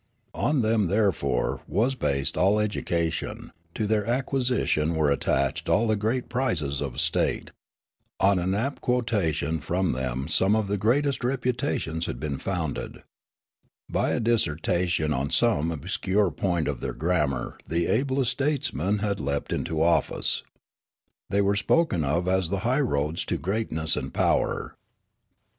On them, therefore, was based all education ; to their acquisition were attached all the great prizes of state. On an apt quotation from them some of the greatest reputations The Language 29 had been founded. Bj^ a dissertation on some obscure point of their grammar the ablest statesmen had leapt into office. They were spoken of as the highroads to greatness and power.